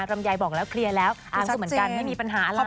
ครับอ่ามใจบอกแล้วเคลียร์แล้วอาร์มสุดเหมือนกันไม่มีปัญหาอะไร